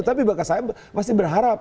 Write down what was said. tapi saya masih berharap